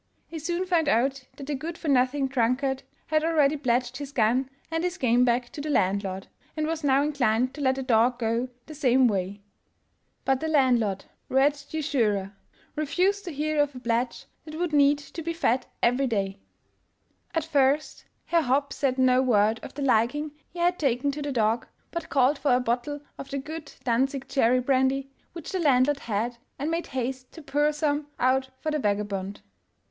He soon found out that the good for nothing drunkard had already pledged his gun and his game bag to the landlord, and was now inclined to let the dog go the same way; but the landlord, wretched usurer! refused to hear of a pledge that would need to be fed every day. * Permission Gebriider Paetel, Berlin. Vol. XIII — 27 418 THE GERMAN CLASSICS At first Herr Hopp said no word of the liking he had taken to the dog, but called for a bottle of the good Danzig cherry brandy which the landlord had, and made haste to pour some out for the vagabond.